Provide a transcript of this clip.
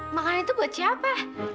makanan itu buat siapa